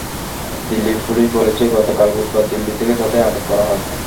Delhi police বলেছে, গতকাল বুধবার দিল্লি থেকে তাদের আটক করা হয়।